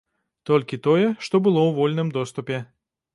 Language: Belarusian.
Толькі тое, што было ў вольным доступе.